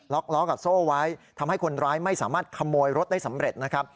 ล้อกับโซ่ไว้ทำให้คนร้ายไม่สามารถขโมยรถได้สำเร็จนะครับ